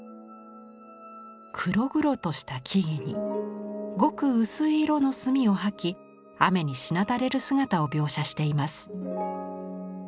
黒々とした木々にごく薄い色の墨を刷き雨にしなだれる姿を描写しています。